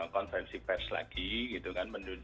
konferensi pers lagi gitu kan